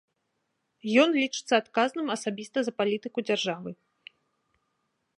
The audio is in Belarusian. Ён лічыцца адказным асабіста за палітыку дзяржавы.